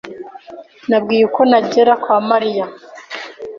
Nabwiye uko nagera kwa Mariya.